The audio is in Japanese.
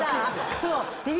そう！